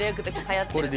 はやってる。